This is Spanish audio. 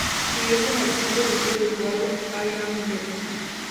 Sirvió como el quinto sencillo de su álbum "Am I a Girl?